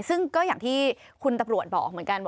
ซึ่งก็อย่างที่คุณตำรวจบอกเหมือนกัน